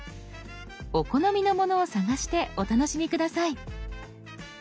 お好みのものを探してお楽しみ下さい。